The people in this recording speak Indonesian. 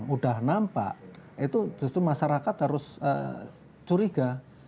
udah nampak itu justru masyarakat harus curiga